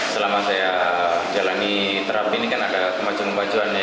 selama saya jalani terapi ini kan ada kemajuan kemajuannya